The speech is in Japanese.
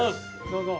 どうぞ。